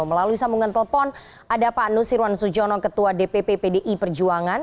melalui sambungan telepon ada pak nusirwan sujono ketua dpp pdi perjuangan